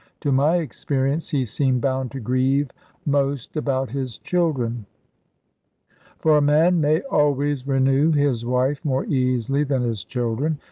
To my experience he seemed bound to grieve most about his children. For a man may always renew his wife more easily than his children.